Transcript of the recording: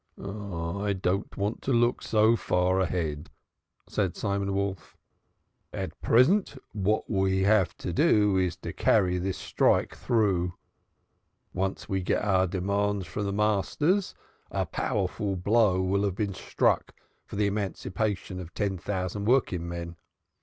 "I don't want to look so far ahead," said Simon Wolf. "At present, what we have to do is to carry this strike through. Once we get our demands from the masters a powerful blow will have been struck for the emancipation of ten thousand working men.